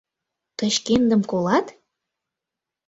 Тый шкендым колат?